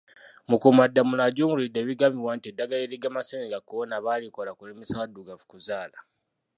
Mukuumaddamula ajunguludde ebigambibwa nti eddagala erigema Ssennyiga kolona baalikola kulemesa baddugavu kuzaala.